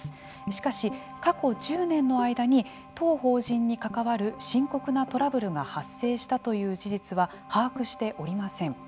しかし、過去１０年の間に当法人に関わる深刻なトラブルが発生したという事実は把握しておりません。